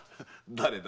誰だ？